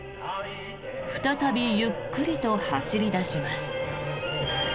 再びゆっくりと走り出します。